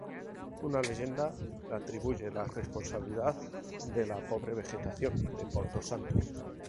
Una leyenda le atribuye la responsabilidad de la pobre vegetación de Porto Santo.